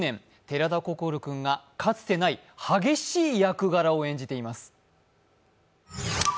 寺田心君がかつてない激しい役柄を演じています。